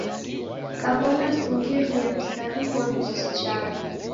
Kaw'ona singirie msarighoni, sichagha